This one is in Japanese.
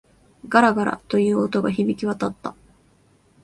ガラガラ、という音が響き渡った。